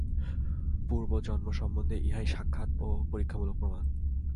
পূর্বজন্ম সম্বন্ধে ইহাই সাক্ষাৎ ও পরীক্ষামূলক প্রমাণ।